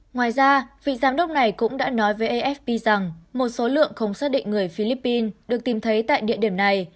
ngoài ra vị giám đốc này cũng đã nói với afp rằng một số lượng không xác định người philippines được tìm thấy tại địa điểm này